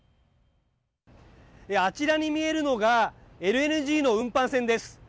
あちらに見えるのがＬＮＧの運搬船です。